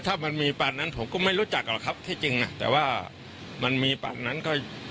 ถ้ามันมีปากนั้นผมก็ไม่รู้จักหรอกครับที่จริงแต่ว่ามันมีปากนั้นก็